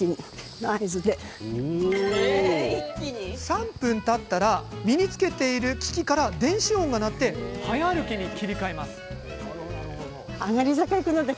３分たったら身につけている機器から電子音が鳴って早歩きに切り替えます。